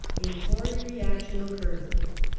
A Tory reaction occurred.